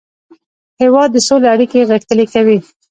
هېواد د سولې اړیکې غښتلې کوي.